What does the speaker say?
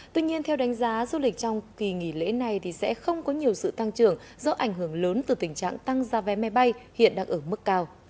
tuy nhiên theo đánh giá du lịch trong kỳ nghỉ lễ này sẽ không có nhiều sự tăng trưởng do ảnh hưởng lớn từ tình trạng tăng giá vé máy bay hiện đang ở mức cao